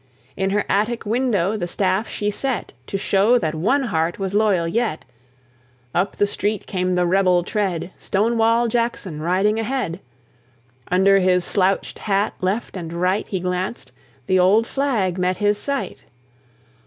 In her attic window the staff she set, To show that one heart was loyal yet. Up the street came the rebel tread, Stonewall Jackson riding ahead. Under his slouched hat left and right He glanced: the old flag met his sight.